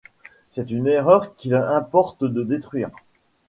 C’est une erreur qu’il importe de détruire.